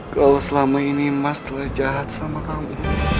kalau selama ini mas telah jahat sama kamu